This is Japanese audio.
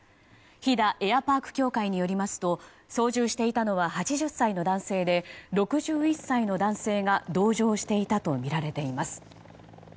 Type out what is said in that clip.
飛騨エアパーク協会によりますと操縦していたのは８０歳の男性で６１歳の男性が同乗していたとみられています。